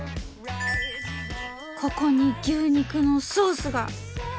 ここに牛肉のソースが！